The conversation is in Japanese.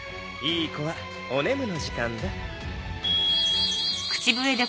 いい子はおねむの時間だ。